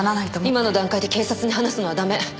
今の段階で警察に話すのは駄目。